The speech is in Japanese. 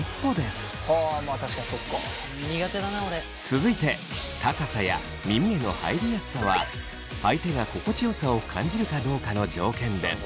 続いて高さや耳への入りやすさは相手が心地よさを感じるかどうかの条件です。